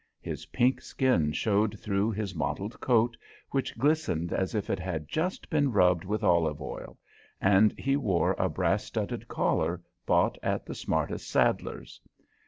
His pink skin showed through his mottled coat, which glistened as if it had just been rubbed with olive oil, and he wore a brass studded collar, bought at the smartest saddler's.